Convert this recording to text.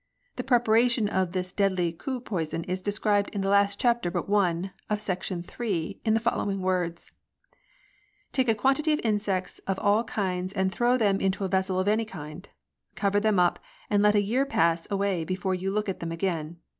The preparation of this deadly Ku poison is described in the last chapter but one of Section III. in the follow ing words :—" Take a quantity of insects of all kinds and throw them into a vessel of any kind ; cover them up, and let a year pass away before you look at them again.